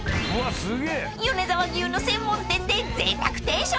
［米沢牛の専門店でぜいたく定食］